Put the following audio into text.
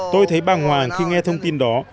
tôi thấy bàng hoàng khi nghe thông tin đó